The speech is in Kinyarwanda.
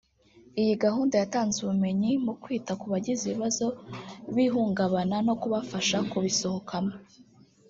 iyi gahunda yatanze ubumenyi mu kwita ku bagize ibibazo b’ihungabana no kubafasha kubisohokamo